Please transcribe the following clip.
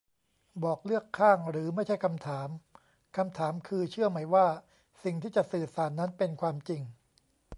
บอก เลือกข้างหรือไม่ใช่คำถาม; คำถามคือ เชื่อไหมว่าสิ่งที่จะสื่อสารนั้นเป็นความจริง